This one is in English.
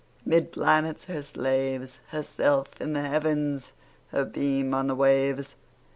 'Mid planets her slaves, Herself in the Heavens, Her beam on the waves.